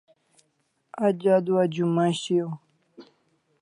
Aj adua Juma shiaw